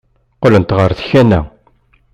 Qqlent ɣer tkanna.